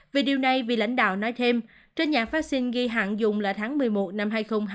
vì điều này vị lãnh đạo nói thêm trên nhãn vaccine ghi hạn dùng là tháng một mươi một năm hai nghìn hai mươi một